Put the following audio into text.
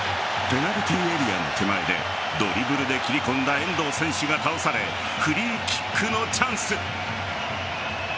ペナルティーエリアの手前でドリブルで切り込んだ遠藤選手が倒されフリーキックのチャンス。